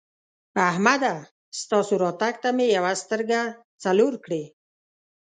احمده! ستاسو راتګ ته مې یوه سترګه څلور کړې.